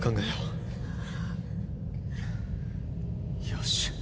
よし。